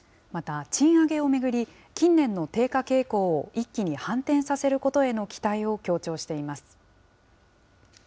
また賃上げを巡り、近年の低下傾向を一気に反転させることへの期待を強調しています。